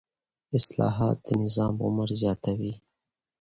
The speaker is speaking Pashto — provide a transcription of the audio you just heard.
اصلاحات د نظام عمر زیاتوي